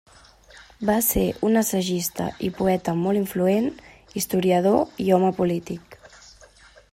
Va ser un assagista i poeta molt influent, historiador i home polític.